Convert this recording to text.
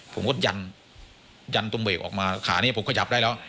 ผมก็ยันยันตรงเบรกออกมาขานี้ผมขยับได้แล้ว